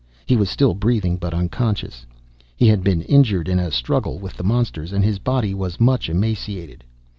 He was still breathing, but unconscious. He had been injured in a struggle with the monsters, and his body was much emaciated.